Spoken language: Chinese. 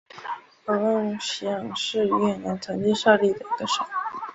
鹅贡省是越南曾经设立的一个省。